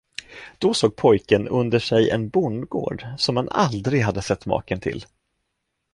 Då såg pojken under sig en bondgård, som han aldrig hade sett maken till.